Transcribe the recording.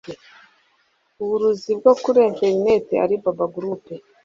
uburuzi bwo kuri internet Alibaba Group .